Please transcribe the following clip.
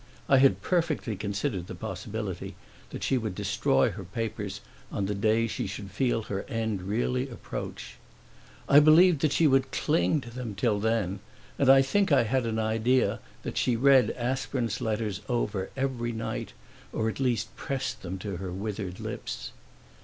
I had perfectly considered the possibility that she would destroy her papers on the day she should feel her end really approach. I believed that she would cling to them till then, and I think I had an idea that she read Aspern's letters over every night or at least pressed them to her withered lips.